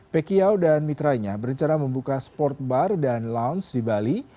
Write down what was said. pekiau dan mitranya berencana membuka sport bar dan lounge di bali